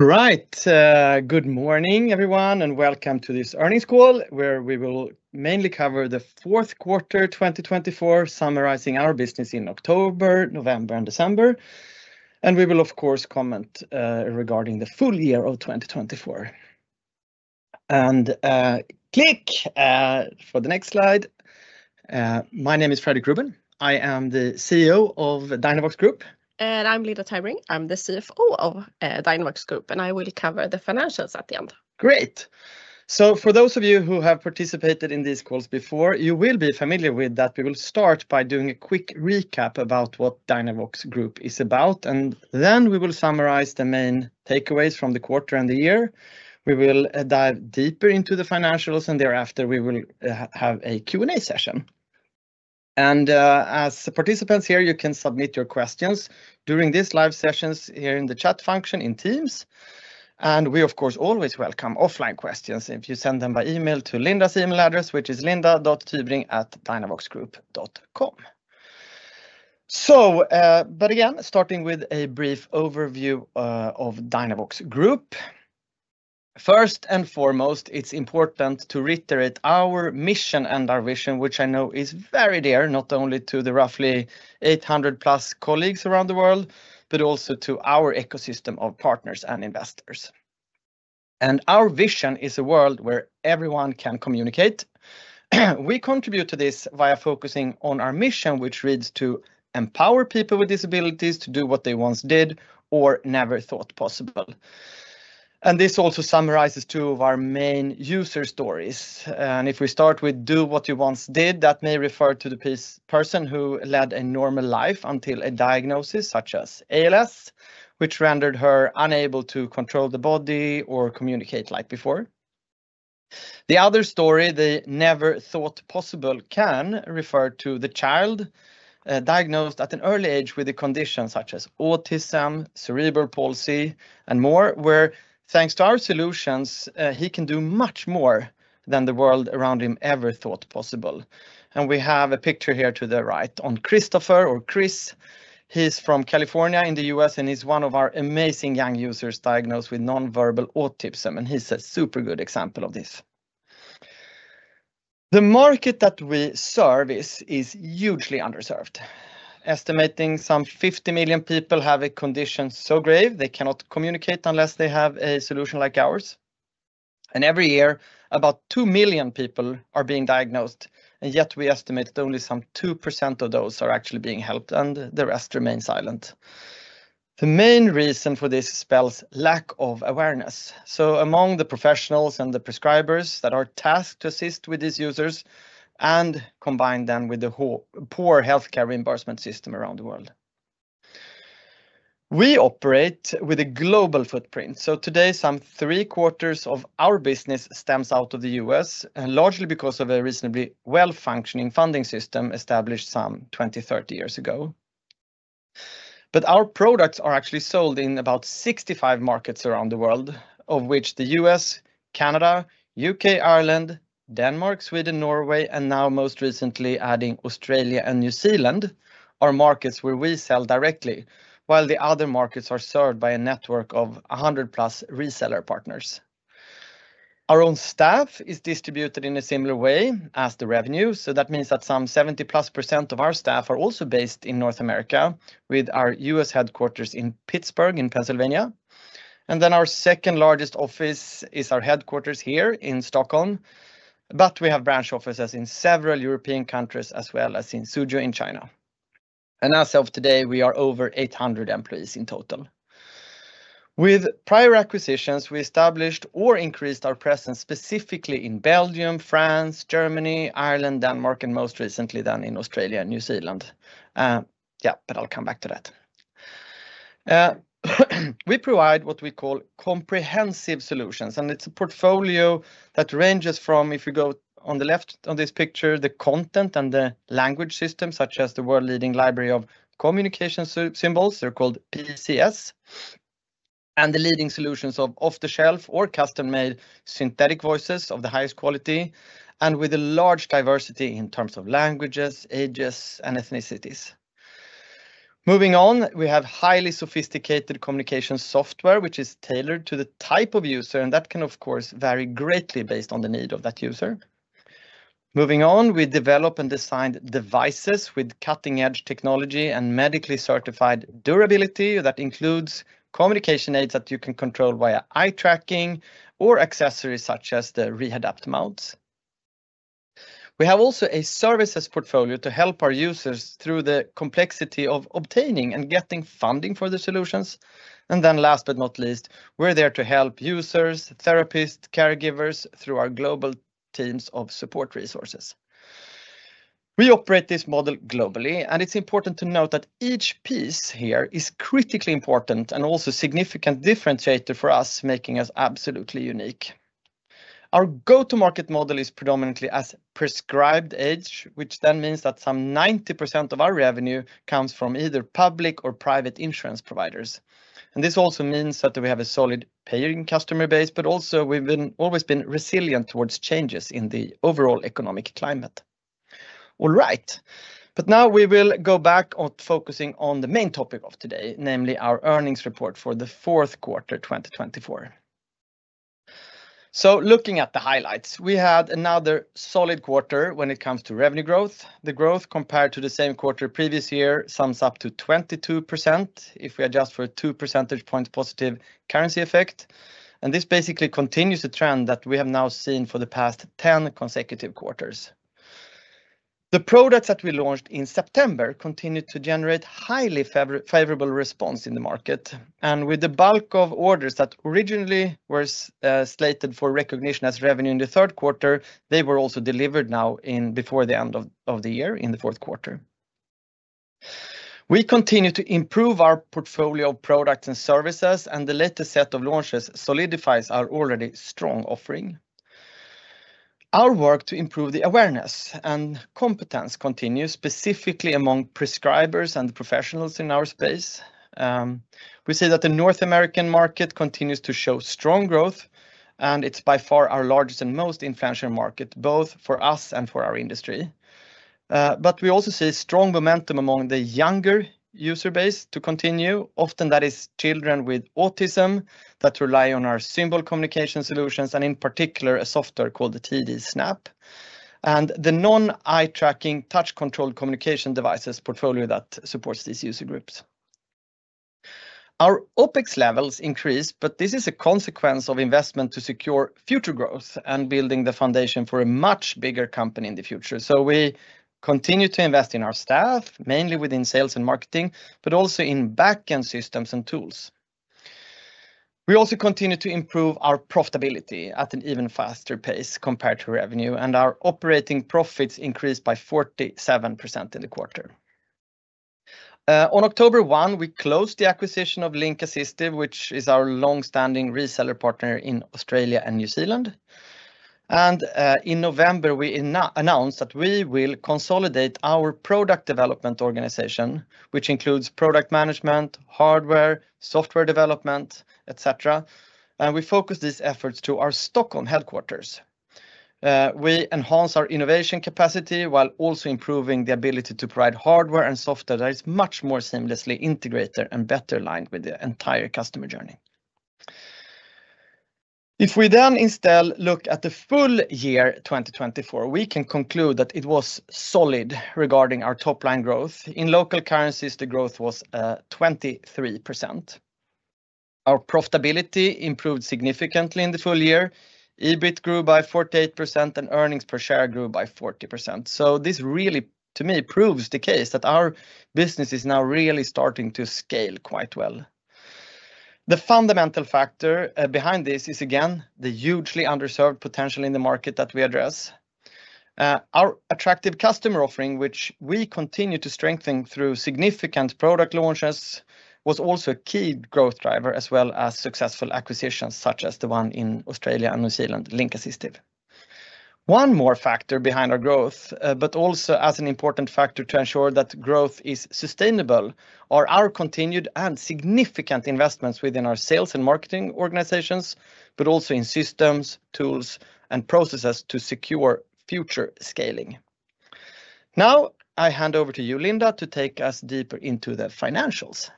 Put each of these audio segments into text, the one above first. Right, good morning, everyone, and welcome to this earnings call where we will mainly cover the fourth quarter 2024, summarizing our business in October, November, and December. And we will, of course, comment regarding the full year of 2024. And click for the next slide. My name is Fredrik Ruben. I am the CEO of Dynavox Group. I'm Linda Tybring. I'm the CFO of Dynavox Group, and I will cover the financials at the end. Great. For those of you who have participated in these calls before, you will be familiar with that we will start by doing a quick recap about what Dynavox Group is about, and then we will summarize the main takeaways from the quarter and the year. We will dive deeper into the financials, and thereafter we will have a Q&A session. As participants here, you can submit your questions during these live sessions here in the chat function in Teams. We, of course, always welcome offline questions if you send them by email to Linda's email address, which is linda.tybring@dynavoxgroup.com. But again, starting with a brief overview of Dynavox Group. First and foremost, it's important to reiterate our mission and our vision, which I know is very dear, not only to the roughly 800 plus colleagues around the world, but also to our ecosystem of partners and investors, and our vision is a world where everyone can communicate. We contribute to this via focusing on our mission, which reads to empower people with disabilities to do what they once did or never thought possible, and this also summarizes two of our main user stories, and if we start with do what you once did, that may refer to the person who led a normal life until a diagnosis such as ALS, which rendered her unable to control the body or communicate like before. The other story, the never thought possible, can refer to the child diagnosed at an early age with a condition such as autism, cerebral palsy, and more, where thanks to our solutions, he can do much more than the world around him ever thought possible. And we have a picture here to the right on Christopher or Chris. He's from California in the U.S. and is one of our amazing young users diagnosed with nonverbal autism, and he's a super good example of this. The market that we service is hugely underserved, estimating some 50 million people have a condition so grave they cannot communicate unless they have a solution like ours. And every year, about 2 million people are being diagnosed, and yet we estimate that only some 2% of those are actually being helped, and the rest remain silent. The main reason for this is lack of awareness. Among the professionals and the prescribers that are tasked to assist with these users and combine them with the poor healthcare reimbursement system around the world. We operate with a global footprint. Today, some three quarters of our business stems out of the U.S., largely because of a reasonably well-functioning funding system established some 20-30 years ago. But our products are actually sold in about 65 markets around the world, of which the U.S., Canada, U.K., Ireland, Denmark, Sweden, Norway, and now most recently, adding Australia and New Zealand, are markets where we sell directly, while the other markets are served by a network of 100+ reseller partners. Our own staff is distributed in a similar way as the revenue. That means that some 70%+ of our staff are also based in North America, with our U.S. headquarters in Pittsburgh in Pennsylvania. Then our second largest office is our headquarters here in Stockholm, but we have branch offices in several European countries as well as in Suzhou in China. And as of today, we are over 800 employees in total. With prior acquisitions, we established or increased our presence specifically in Belgium, France, Germany, Ireland, Denmark, and most recently then in Australia and New Zealand. Yeah, but I'll come back to that. We provide what we call comprehensive solutions, and it's a portfolio that ranges from, if you go on the left on this picture, the content and the language system such as the world leading library of communication symbols, they're called PCS, and the leading solutions of off the shelf or custom-made synthetic voices of the highest quality, and with a large diversity in terms of languages, ages, and ethnicities. Moving on, we have highly sophisticated communication software, which is tailored to the type of user, and that can, of course, vary greatly based on the need of that user. Moving on, we develop and design devices with cutting-edge technology and medically certified durability that includes communication aids that you can control via eye tracking or accessories such as the rehabilitation mounts. We have also a services portfolio to help our users through the complexity of obtaining and getting funding for the solutions, and then last but not least, we're there to help users, therapists, caregivers through our global teams of support resources. We operate this model globally, and it's important to note that each piece here is critically important and also a significant differentiator for us, making us absolutely unique. Our go-to-market model is predominantly as a prescribed aid, which then means that some 90% of our revenue comes from either public or private insurance providers. This also means that we have a solid paying customer base, but also we've always been resilient towards changes in the overall economic climate. All right, but now we will go back to focusing on the main topic of today, namely our earnings report for the fourth quarter 2024. Looking at the highlights, we had another solid quarter when it comes to revenue growth. The growth compared to the same quarter previous year sums up to 22% if we adjust for a two percentage points positive currency effect. This basically continues the trend that we have now seen for the past 10 consecutive quarters. The products that we launched in September continued to generate highly favorable response in the market. With the bulk of orders that originally were slated for recognition as revenue in the third quarter, they were also delivered now before the end of the year in the fourth quarter. We continue to improve our portfolio of products and services, and the latest set of launches solidifies our already strong offering. Our work to improve the awareness and competence continues specifically among prescribers and professionals in our space. We see that the North American market continues to show strong growth, and it's by far our largest and most influential market, both for us and for our industry. But we also see strong momentum among the younger user base to continue. Often that is children with autism that rely on our symbol communication solutions, and in particular, a software called the TD Snap and the non-eye tracking touch control communication devices portfolio that supports these user groups. Our OPEX levels increase, but this is a consequence of investment to secure future growth and building the foundation for a much bigger company in the future. We continue to invest in our staff, mainly within sales and marketing, but also in backend systems and tools. We also continue to improve our profitability at an even faster pace compared to revenue, and our operating profits increased by 47% in the quarter. On October 1, we closed the acquisition of Link Assistive, which is our longstanding reseller partner in Australia and New Zealand. In November, we announced that we will consolidate our product development organization, which includes product management, hardware, software development, etc. We focus these efforts to our Stockholm headquarters. We enhance our innovation capacity while also improving the ability to provide hardware and software that is much more seamlessly integrated and better aligned with the entire customer journey. If we then instead look at the full year 2024, we can conclude that it was solid regarding our top line growth. In local currencies, the growth was 23%. Our profitability improved significantly in the full year. EBIT grew by 48% and earnings per share grew by 40%. So this really, to me, proves the case that our business is now really starting to scale quite well. The fundamental factor behind this is again the hugely underserved potential in the market that we address. Our attractive customer offering, which we continue to strengthen through significant product launches, was also a key growth driver as well as successful acquisitions such as the one in Australia and New Zealand, Link Assistive. One more factor behind our growth, but also as an important factor to ensure that growth is sustainable, are our continued and significant investments within our sales and marketing organizations, but also in systems, tools, and processes to secure future scaling. Now I hand over to you, Linda, to take us deeper into the financials.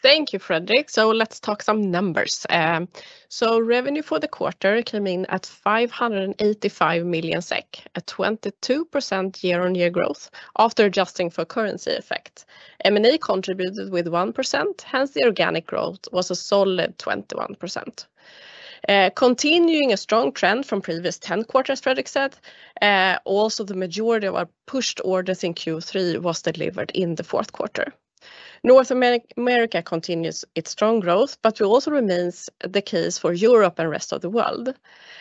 Thank you, Fredrik. So let's talk some numbers. Revenue for the quarter came in at 585 million SEK, a 22% year-on-year growth after adjusting for currency effect. M&A contributed with 1%, hence the organic growth was a solid 21%. Continuing a strong trend from previous 10 quarters, as Fredrik said, also the majority of our pushed orders in Q3 was delivered in the fourth quarter. North America continues its strong growth, but we also remain the case for Europe and the rest of the world.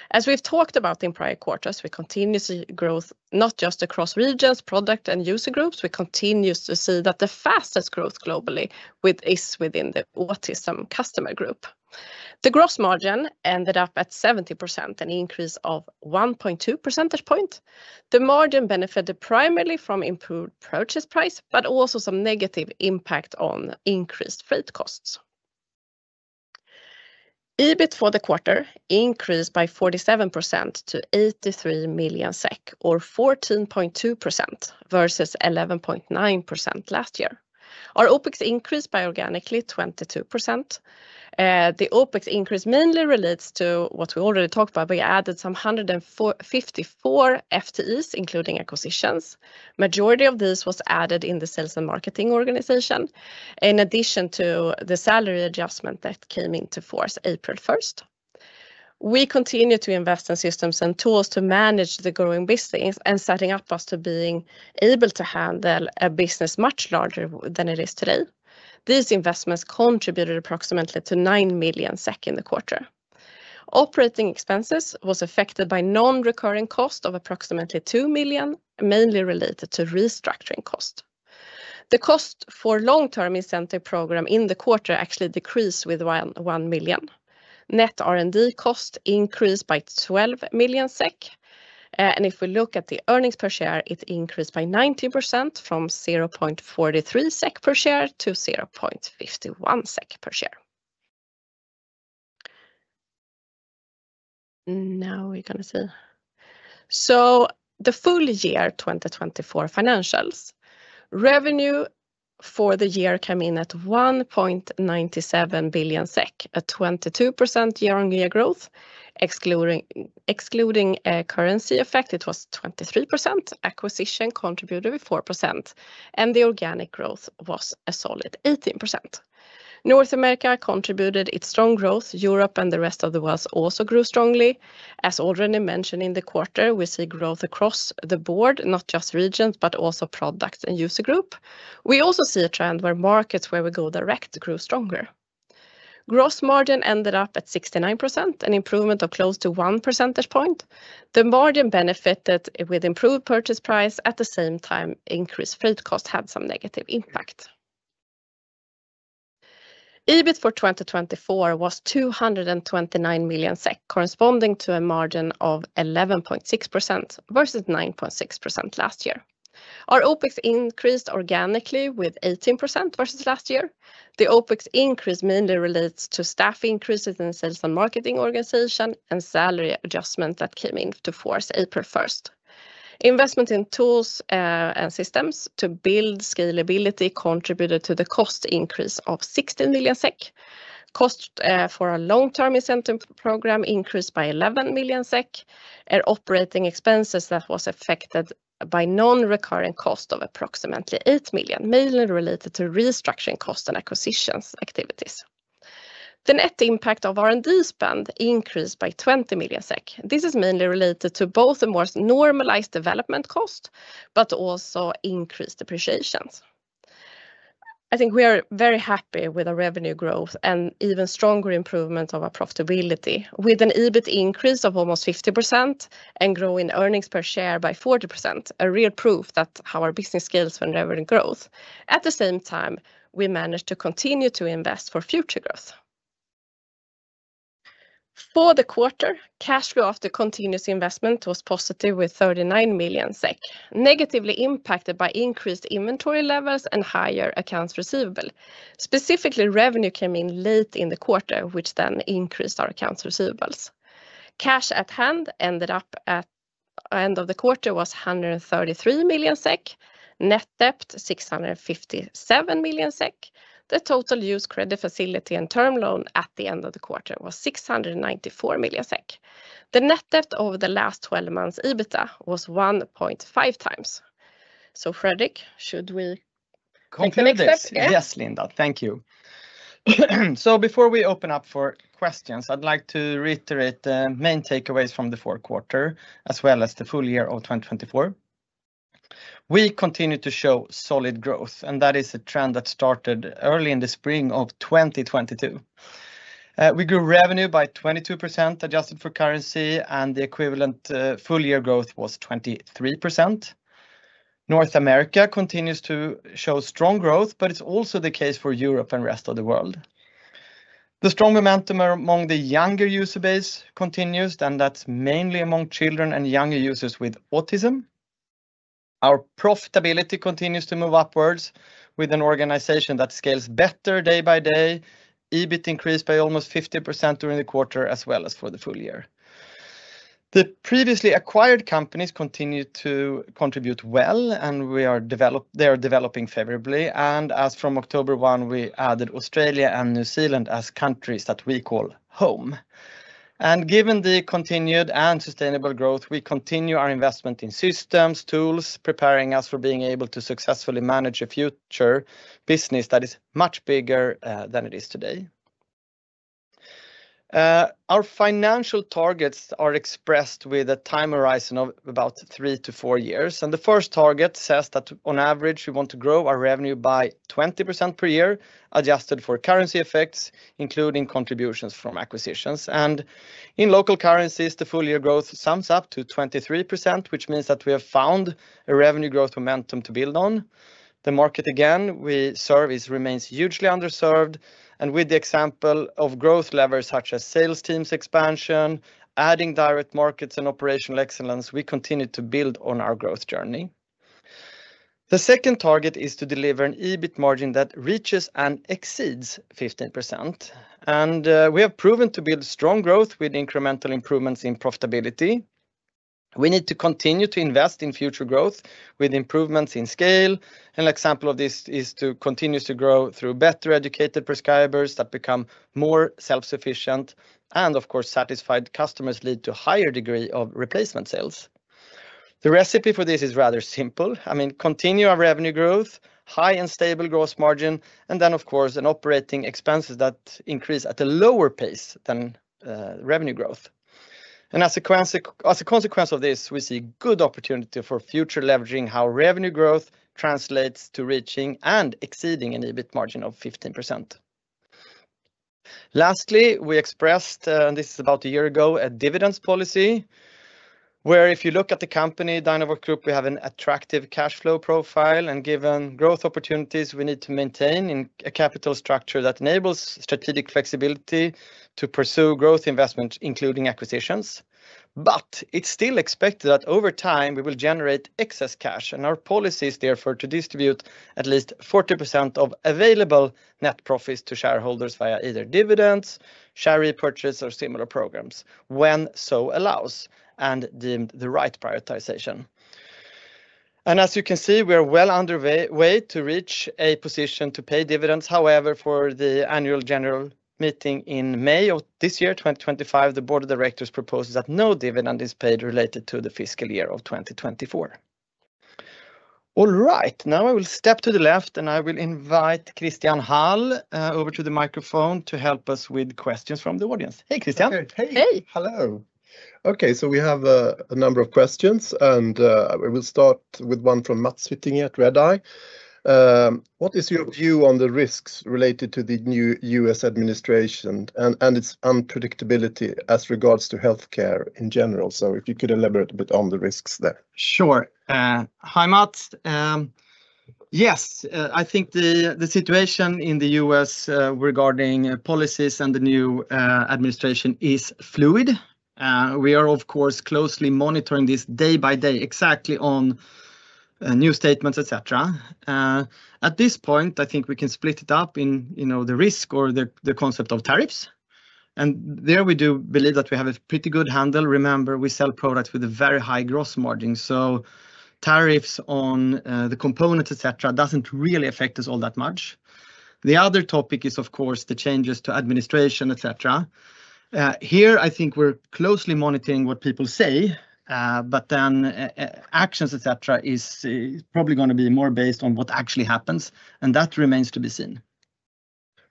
As we've talked about in prior quarters, we continue to grow not just across regions, product, and user groups. We continue to see that the fastest growth globally is within the autism customer group. The gross margin ended up at 70%, an increase of 1.2 percentage points. The margin benefited primarily from improved purchase price, but also some negative impact on increased freight costs. EBIT for the quarter increased by 47% to 83 million SEK, or 14.2% versus 11.9% last year. Our OPEX increased organically 22%. The OPEX increase mainly relates to what we already talked about. We added some 154 FTEs, including acquisitions. Majority of these was added in the sales and marketing organization, in addition to the salary adjustment that came into force April 1st. We continue to invest in systems and tools to manage the growing business and setting up us to being able to handle a business much larger than it is today. These investments contributed approximately to 9 million SEK in the quarter. Operating expenses were affected by non-recurring cost of approximately 2 million, mainly related to restructuring cost. The cost for long-term incentive program in the quarter actually decreased with 1 million. Net R&D cost increased by 12 million SEK. And if we look at the earnings per share, it increased by 19% from 0.43 SEK per share to 0.51 SEK per share. Now we're going to see. So the full year 2024 financials, revenue for the year came in at 1.97 billion SEK, a 22% year-on-year growth. Excluding currency effect, it was 23%. Acquisition contributed with 4%, and the organic growth was a solid 18%. North America contributed its strong growth. Europe and the rest of the world also grew strongly. As already mentioned in the quarter, we see growth across the board, not just regions, but also products and user group. We also see a trend where markets where we go direct grow stronger. Gross margin ended up at 69%, an improvement of close to one percentage point. The margin benefited with improved purchase price. At the same time, increased freight cost had some negative impact. EBIT for 2024 was 229 million SEK, corresponding to a margin of 11.6% versus 9.6% last year. Our OPEX increased organically with 18% versus last year. The OPEX increase mainly relates to staff increases in sales and marketing organization and salary adjustment that came into force April 1st. Investment in tools and systems to build scalability contributed to the cost increase of 16 million SEK. Cost for a long-term incentive program increased by 11 million SEK. Our operating expenses that were affected by non-recurring cost of approximately 8 million, mainly related to restructuring costs and acquisitions activities. The net impact of R&D spend increased by 20 million SEK. This is mainly related to both the most normalized development cost, but also increased depreciations. I think we are very happy with our revenue growth and even stronger improvement of our profitability with an EBIT increase of almost 50% and growing earnings per share by 40%, a real proof that our business scales when revenue grows. At the same time, we managed to continue to invest for future growth. For the quarter, cash growth to continuous investment was positive with 39 million SEK, negatively impacted by increased inventory levels and higher accounts receivable. Specifically, revenue came in late in the quarter, which then increased our accounts receivable. Cash at hand ended up at the end of the quarter was 133 million SEK. Net debt 657 million SEK. The total used credit facility and term loan at the end of the quarter was 694 million SEK. The net debt over the last 12 months EBITDA was 1.5 times. So Fredrik, should we conclude? Yes, Linda, thank you. So before we open up for questions, I'd like to reiterate the main takeaways from the fourth quarter as well as the full year of 2024. We continue to show solid growth, and that is a trend that started early in the spring of 2022. We grew revenue by 22% adjusted for currency, and the equivalent full year growth was 23%. North America continues to show strong growth, but it's also the case for Europe and the rest of the world. The strong momentum among the younger user base continues, and that's mainly among children and younger users with autism. Our profitability continues to move upwards with an organization that scales better day by day. EBIT increased by almost 50% during the quarter as well as for the full year. The previously acquired companies continue to contribute well, and we are developing favorably. As from October 1, we added Australia and New Zealand as countries that we call home. Given the continued and sustainable growth, we continue our investment in systems, tools, preparing us for being able to successfully manage a future business that is much bigger than it is today. Our financial targets are expressed with a time horizon of about three-to-four years. The first target says that on average, we want to grow our revenue by 20% per year adjusted for currency effects, including contributions from acquisitions. In local currencies, the full year growth sums up to 23%, which means that we have found a revenue growth momentum to build on. The market, again, we serve, remains hugely underserved. With the example of growth levers such as sales teams expansion, adding direct markets and operational excellence, we continue to build on our growth journey. The second target is to deliver an EBIT margin that reaches and exceeds 15%, and we have proven to build strong growth with incremental improvements in profitability. We need to continue to invest in future growth with improvements in scale. An example of this is to continue to grow through better educated prescribers that become more self-sufficient, and of course, satisfied customers lead to a higher degree of replacement sales. The recipe for this is rather simple. I mean, continue our revenue growth, high and stable gross margin, and then of course, an operating expenses that increase at a lower pace than revenue growth, and as a consequence of this, we see good opportunity for future leveraging how revenue growth translates to reaching and exceeding an EBIT margin of 15%. Lastly, we expressed, and this is about a year ago, a dividend policy, where if you look at the company Dynavox Group, we have an attractive cash flow profile, and given growth opportunities, we need to maintain a capital structure that enables strategic flexibility to pursue growth investments, including acquisitions, but it's still expected that over time we will generate excess cash, and our policy is therefore to distribute at least 40% of available net profits to shareholders via either dividends, share repurchase, or similar programs when so allows and deemed the right prioritization, and as you can see, we are well underway to reach a position to pay dividends. However, for the annual general meeting in May of this year, 2025, the board of directors proposes that no dividend is paid related to the fiscal year of 2024. All right, now I will step to the left and I will invite Christian Hall over to the microphone to help us with questions from the audience. Hey, Christian. Hey. Hey. Hello. Okay, so we have a number of questions and we will start with one from Mats Hyttinge at Redeye. What is your view on the risks related to the new U.S. administration and its unpredictability as regards to healthcare in general? So if you could elaborate a bit on the risks there. Sure. Hi Mats. Yes, I think the situation in the U.S. regarding policies and the new administration is fluid. We are of course closely monitoring this day by day, exactly on new statements, etc. At this point, I think we can split it up in the risk or the concept of tariffs. And there we do believe that we have a pretty good handle. Remember, we sell products with a very high gross margin. So tariffs on the components, etc., doesn't really affect us all that much. The other topic is of course the changes to administration, etc. Here I think we're closely monitoring what people say, but then actions, etc., is probably going to be more based on what actually happens. And that remains to be seen.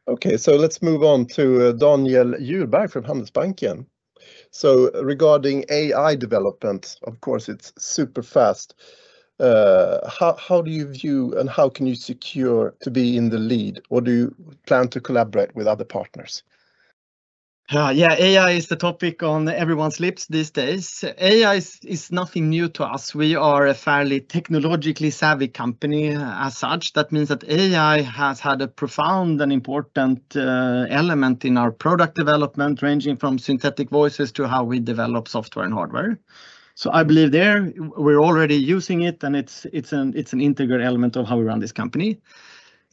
Okay, so let's move on to Daniel Djurberg from Handelsbanken. So regarding AI development, of course it's super fast. How do you view and how can you secure to be in the lead? Or do you plan to collaborate with other partners? Yeah, AI is the topic on everyone's lips these days. AI is nothing new to us. We are a fairly technologically savvy company as such. That means that AI has had a profound and important element in our product development, ranging from synthetic voices to how we develop software and hardware. So I believe that we're already using it and it's an integral element of how we run this company.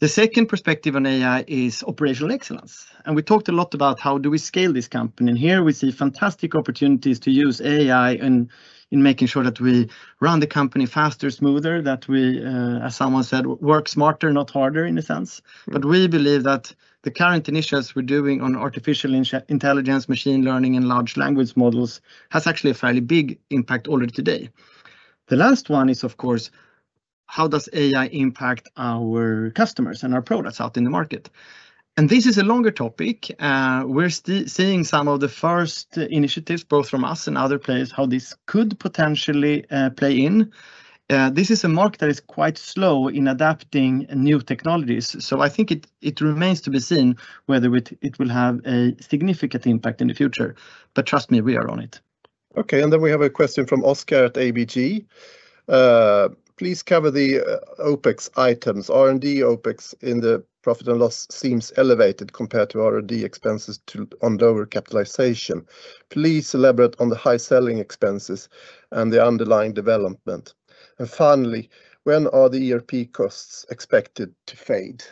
The second perspective on AI is operational excellence. And we talked a lot about how do we scale this company. And here we see fantastic opportunities to use AI in making sure that we run the company faster, smoother, that we, as someone said, work smarter, not harder in a sense. But we believe that the current initiatives we're doing on artificial intelligence, machine learning, and large language models has actually a fairly big impact already today. The last one is of course, how does AI impact our customers and our products out in the market, and this is a longer topic. We're seeing some of the first initiatives both from us and other players how this could potentially play in. This is a market that is quite slow in adapting new technologies, so I think it remains to be seen whether it will have a significant impact in the future, but trust me, we are on it. Okay, and then we have a question from Oscar at ABG. Please cover the OPEX items. R&D OPEX in the profit and loss seems elevated compared to R&D expenses on lower capitalization. Please elaborate on the high selling expenses and the underlying development, and finally, when are the ERP costs expected to fade?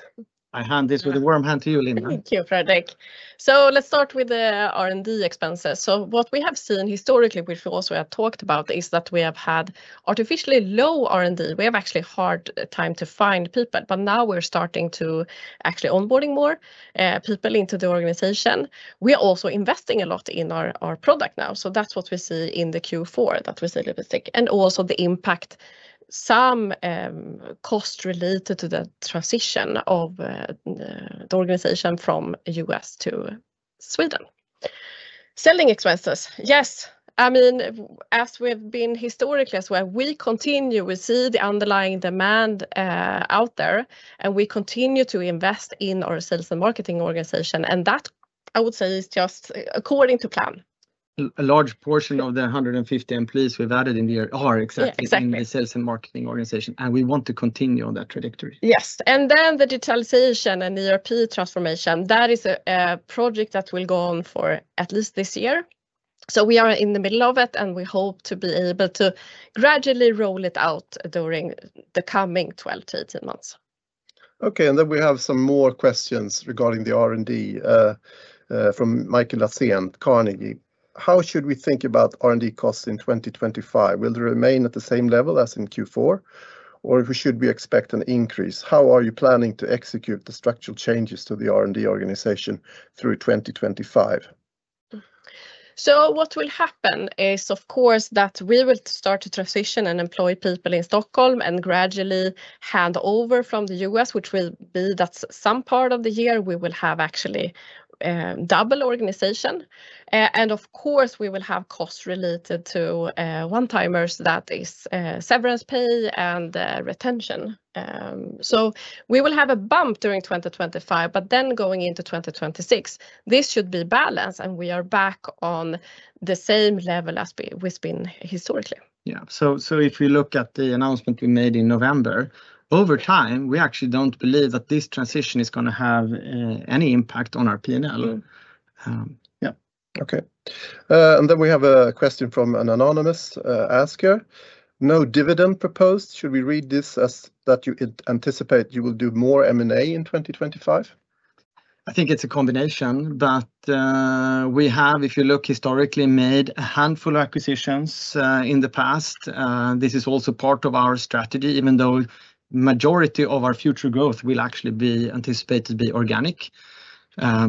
I hand this with a warm hand to you, Linda. Thank you, Fredrik. So let's start with the R&D expenses. So what we have seen historically with what we have talked about is that we have had artificially low R&D. We have actually a hard time to find people, but now we're starting to actually onboarding more people into the organization. We are also investing a lot in our product now. So that's what we see in the Q4 that we see a little bit stick. And also the impact some cost related to the transition of the organization from U.S. to Sweden. Selling expenses, yes. I mean, as we've been historically, as well we continue to see the underlying demand out there and we continue to invest in our sales and marketing organization. And that I would say is just according to plan. A large portion of the 150 employees we've added in the year are exactly in the sales and marketing organization, and we want to continue on that trajectory. Yes, and then the digitalization and ERP transformation, that is a project that will go on for at least this year, so we are in the middle of it and we hope to be able to gradually roll it out during the coming 12-18 months. Okay, and then we have some more questions regarding the R&D from Mikael Laséen and Carnegie. How should we think about R&D costs in 2025? Will they remain at the same level as in Q4? Or should we expect an increase? How are you planning to execute the structural changes to the R&D organization through 2025? So what will happen is, of course, that we will start to transition and employ people in Stockholm and gradually hand over from the U.S., which will be that some part of the year we will have actually double organization. And of course we will have costs related to one-timers that is severance pay and retention. So we will have a bump during 2025, but then going into 2026, this should be balanced and we are back on the same level as we've been historically. Yeah, so if we look at the announcement we made in November, over time we actually don't believe that this transition is going to have any impact on our P&L. Yeah. Okay. And then we have a question from an anonymous asker. No dividend proposed. Should we read this as that you anticipate you will do more M&A in 2025? I think it's a combination, but we have, if you look historically, made a handful of acquisitions in the past. This is also part of our strategy, even though the majority of our future growth will actually be anticipated to be organic.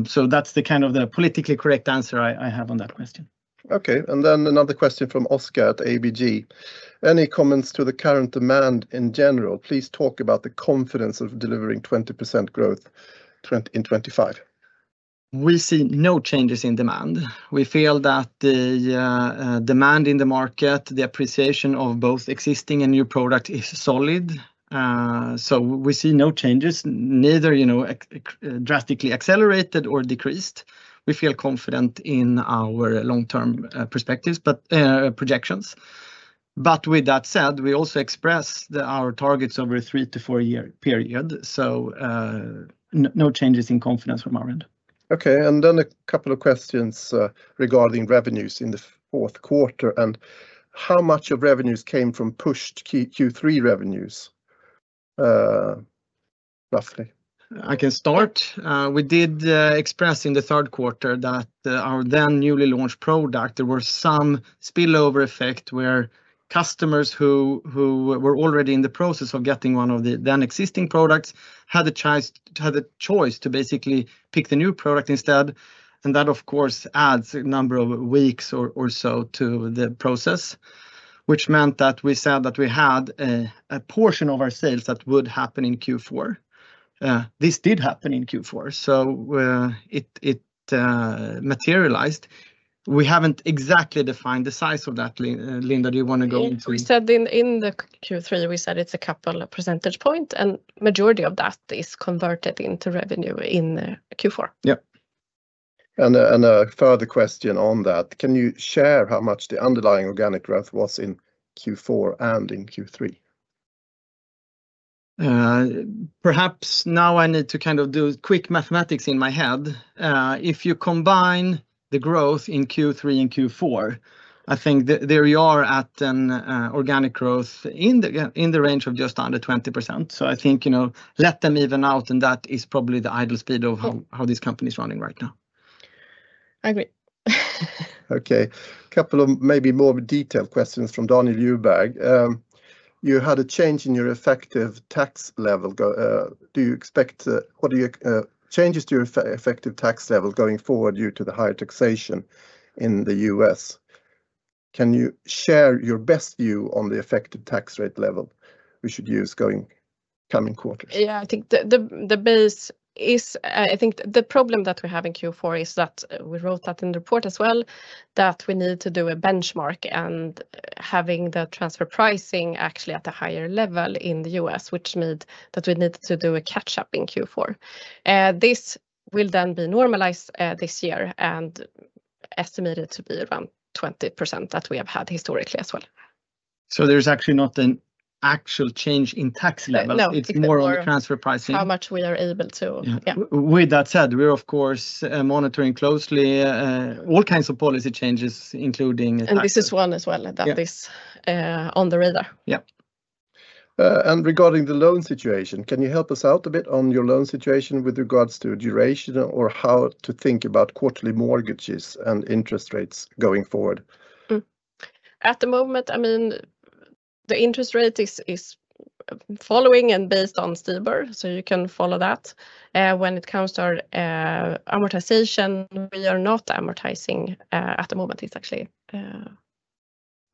So that's the kind of the politically correct answer I have on that question. Okay, and then another question from Oscar at ABG. Any comments to the current demand in general? Please talk about the confidence of delivering 20% growth in 2025. We see no changes in demand. We feel that the demand in the market, the appreciation of both existing and new products is solid, so we see no changes, neither drastically accelerated or decreased. We feel confident in our long-term projections, but with that said, we also expressed our targets over a three- to four-year period, so no changes in confidence from our end. Okay, and then a couple of questions regarding revenues in the fourth quarter and how much of revenues came from pushed Q3 revenues, roughly? I can start. We did express in the third quarter that our then newly launched product, there were some spillover effect where customers who were already in the process of getting one of the then existing products had a choice to basically pick the new product instead. And that of course adds a number of weeks or so to the process, which meant that we said that we had a portion of our sales that would happen in Q4. This did happen in Q4. So it materialized. We haven't exactly defined the size of that. Linda, do you want to go into? We said in the Q3, we said it's a couple of percentage points, and majority of that is converted into revenue in Q4. Yeah. And a further question on that. Can you share how much the underlying organic growth was in Q4 and in Q3? Perhaps now I need to kind of do quick mathematics in my head. If you combine the growth in Q3 and Q4, I think there you are at an organic growth in the range of just under 20%. So I think let them even out and that is probably the idle speed of how this company is running right now. I agree. Okay. A couple of maybe more detailed questions from Daniel Djurberg. You had a change in your effective tax level. Do you expect changes to your effective tax level going forward due to the higher taxation in the U.S.? Can you share your best view on the effective tax rate level we should use going coming quarters? Yeah, I think the base is. I think the problem that we have in Q4 is that we wrote that in the report as well, that we need to do a benchmark and having the transfer pricing actually at a higher level in the U.S., which means that we need to do a catch-up in Q4. This will then be normalized this year and estimated to be around 20% that we have had historically as well. So there's actually not an actual change in tax level. It's more on the transfer pricing. How much we are able to. With that said, we're of course monitoring closely all kinds of policy changes, including tax. This is one as well that is on the radar. Yeah. Regarding the loan situation, can you help us out a bit on your loan situation with regards to duration or how to think about quarterly mortgages and interest rates going forward? At the moment, I mean, the interest rate is following and based on STIBOR, so you can follow that. When it comes to our amortization, we are not amortizing at the moment. It's actually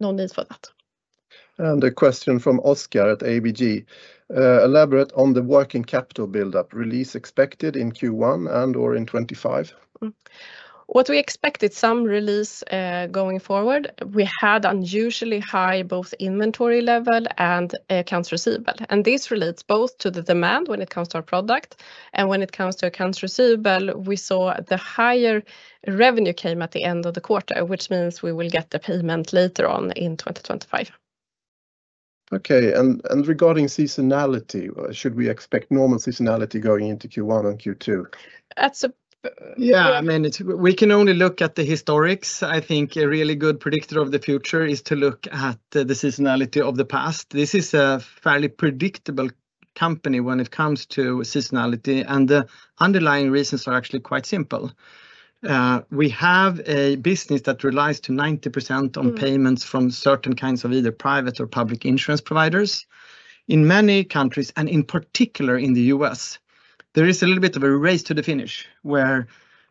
no need for that. A question from Oscar at ABG. Elaborate on the working capital build-up release expected in Q1 and/or in 2025? What we expected some release going forward, we had unusually high both inventory level and accounts receivable. And this relates both to the demand when it comes to our product. And when it comes to accounts receivable, we saw the higher revenue came at the end of the quarter, which means we will get the payment later on in 2025. Okay. And regarding seasonality, should we expect normal seasonality going into Q1 and Q2? Yeah, I mean, we can only look at the historics. I think a really good predictor of the future is to look at the seasonality of the past. This is a fairly predictable company when it comes to seasonality. And the underlying reasons are actually quite simple. We have a business that relies to 90% on payments from certain kinds of either private or public insurance providers in many countries, and in particular in the U.S. There is a little bit of a race to the finish where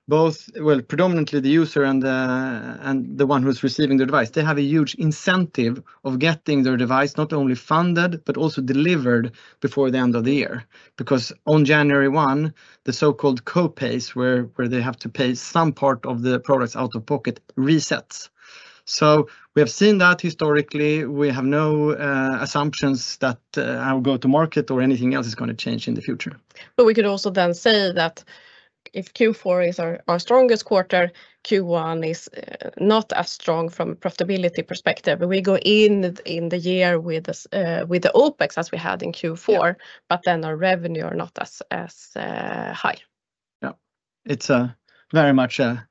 both, well, predominantly the user and the one who's receiving the device, they have a huge incentive of getting their device not only funded, but also delivered before the end of the year. Because on January 1, the so-called copays where they have to pay some part of the products out of pocket resets. So we have seen that historically. We have no assumptions that our go-to-market or anything else is going to change in the future. But we could also then say that if Q4 is our strongest quarter, Q1 is not as strong from a profitability perspective. We go in the year with the OPEX as we had in Q4, but then our revenue are not as high. Yeah. It's very much a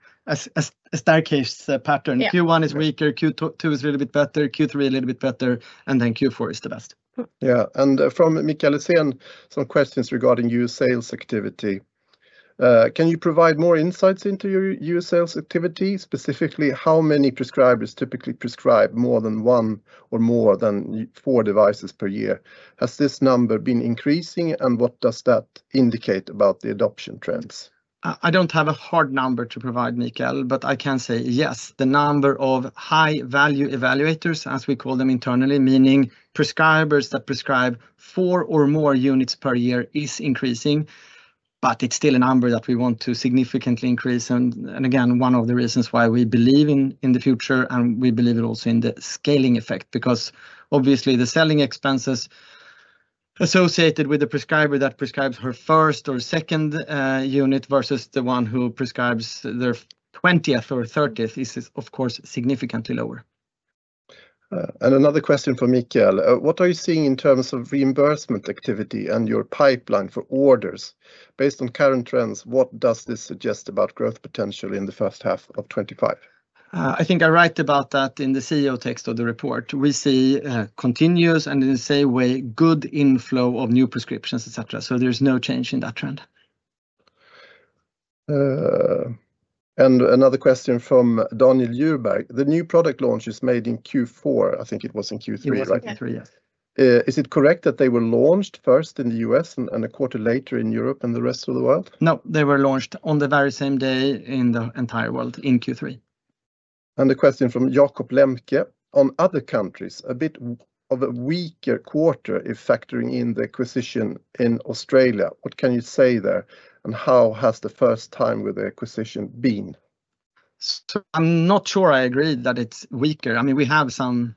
staircase pattern. Q1 is weaker, Q2 is a little bit better, Q3 a little bit better, and then Q4 is the best. Yeah, and from Mikael Laséen, some questions regarding your sales activity. Can you provide more insights into your sales activity? Specifically, how many prescribers typically prescribe more than one or more than four devices per year? Has this number been increasing, and what does that indicate about the adoption trends? I don't have a hard number to provide, Mikael, but I can say yes, the number of high-value evaluators, as we call them internally, meaning prescribers that prescribe four or more units per year is increasing, but it's still a number that we want to significantly increase. Again, one of the reasons why we believe in the future and we believe it also in the scaling effect, because obviously the selling expenses associated with the prescriber that prescribes her first or second unit versus the one who prescribes their 20th or 30th is of course significantly lower. Another question for Mikael. What are you seeing in terms of reimbursement activity and your pipeline for orders? Based on current trends, what does this suggest about growth potential in the first half of 2025? I think I write about that in the CEO text of the report. We see continuous and in the same way good inflow of new prescriptions, etc. So there's no change in that trend. And another question from Daniel Djurberg. The new product launch is made in Q4. I think it was in Q3, right? Q3, yes. Is it correct that they were launched first in the U.S. and a quarter later in Europe and the rest of the world? No, they were launched on the very same day in the entire world in Q3. A question from Jakob Lembke. On other countries, a bit of a weaker quarter if factoring in the acquisition in Australia. What can you say there? And how has the first time with the acquisition been? So I'm not sure I agree that it's weaker. I mean, we have some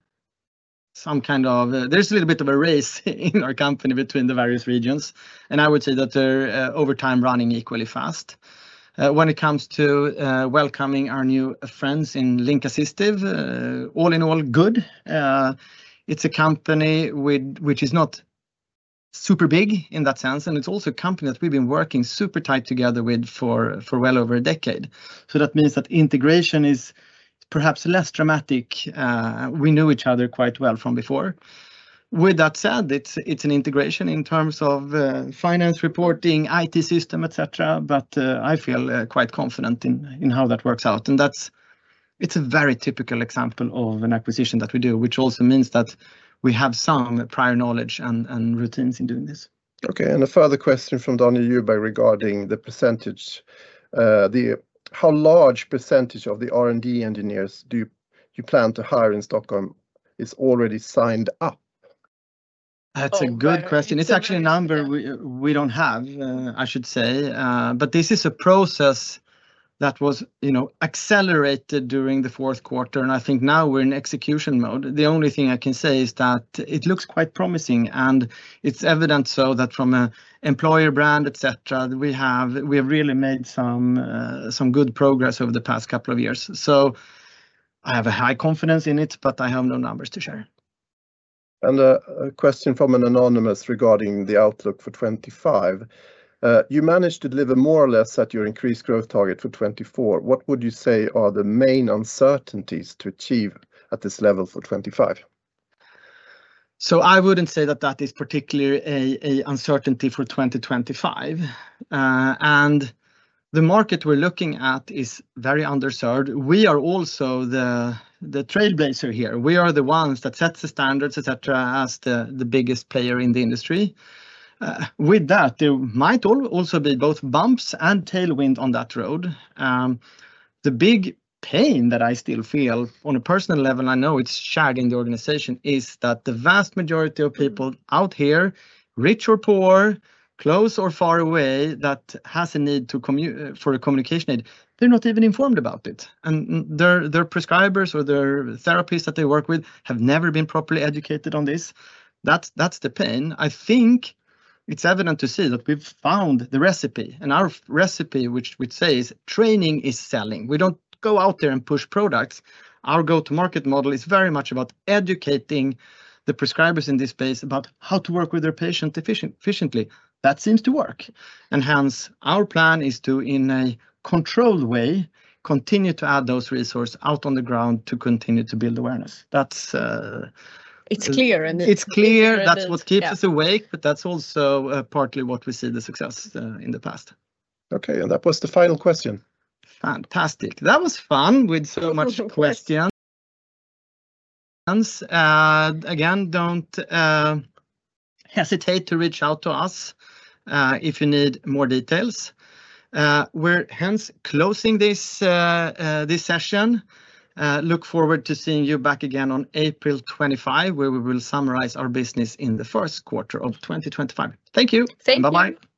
kind of, there is a little bit of a race in our company between the various regions. And I would say that they're over time running equally fast. When it comes to welcoming our new friends in Link Assistive, all in all good. It's a company which is not super big in that sense. And it's also a company that we've been working super tight together with for well over a decade. So that means that integration is perhaps less dramatic. We know each other quite well from before. With that said, it's an integration in terms of finance reporting, IT system, etc. But I feel quite confident in how that works out. It's a very typical example of an acquisition that we do, which also means that we have some prior knowledge and routines in doing this. Okay. And a further question from Daniel Djurberg regarding the percentage. How large a percentage of the R&D engineers do you plan to hire in Stockholm is already signed up? That's a good question. It's actually a number we don't have, I should say. But this is a process that was accelerated during the fourth quarter. And I think now we're in execution mode. The only thing I can say is that it looks quite promising. And it's evident so that from an employer brand, etc., we have really made some good progress over the past couple of years. So I have a high confidence in it, but I have no numbers to share. And a question from an anonymous regarding the outlook for 2025. You managed to deliver more or less at your increased growth target for 2024. What would you say are the main uncertainties to achieve at this level for 2025? So I wouldn't say that that is particularly an uncertainty for 2025. And the market we're looking at is very underserved. We are also the trailblazer here. We are the ones that set the standards, etc., as the biggest player in the industry. With that, there might also be both bumps and tailwind on that road. The big pain that I still feel on a personal level, and I know it's shared in the organization, is that the vast majority of people out here, rich or poor, close or far away, that has a need for a communication need, they're not even informed about it. And their prescribers or their therapists that they work with have never been properly educated on this. That's the pain. I think it's evident to see that we've found the recipe. And our recipe, which we say is training is selling. We don't go out there and push products. Our go-to-market model is very much about educating the prescribers in this space about how to work with their patient efficiently. That seems to work, and hence, our plan is to, in a controlled way, continue to add those resources out on the ground to continue to build awareness. It's clear. It's clear. That's what keeps us awake, but that's also partly what we see the success in the past. Okay, and that was the final question. Fantastic. That was fun with so much questions. Again, don't hesitate to reach out to us if you need more details. We're hence closing this session. Look forward to seeing you back again on April 25, where we will summarize our business in the first quarter of 2025. Thank you. Thank you. Bye-bye.